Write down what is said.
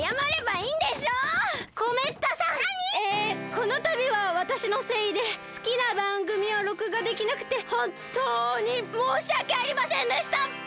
このたびはわたしのせいですきなばんぐみを録画できなくてほんとうにもうしわけありませんでした！